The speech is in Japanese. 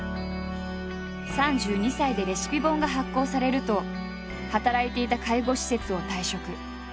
３２歳でレシピ本が発行されると働いていた介護施設を退職。